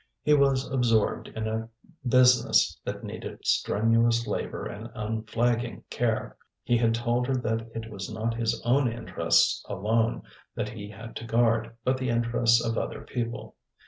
He was absorbed in a business that needed strenuous labour and unflagging care. He had told her that it was not his own interests alone that he had to guard; but the interests of other people.